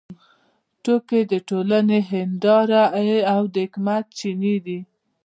ټوکې د ټولنې هندارې او د حکمت چینې دي.